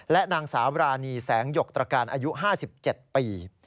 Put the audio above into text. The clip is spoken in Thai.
และนางสาวรานีแสงหยกตรการอายุ๕๗ปี